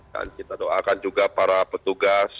dan kita doakan juga para petugas